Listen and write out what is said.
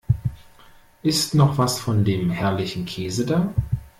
Ist noch was von dem herrlichen Käse da?